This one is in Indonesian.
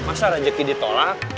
masa rejeki ditolak